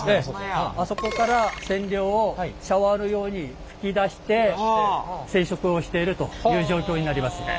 あそこから染料をシャワーのように吹き出して染色をしているという状況になりますね。